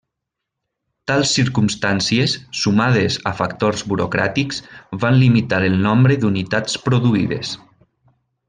Tals circumstàncies, sumades a factors burocràtics, van limitar el nombre d'unitats produïdes.